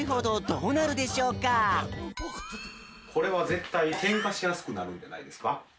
これはぜったいけんかしやすくなるんじゃないですか？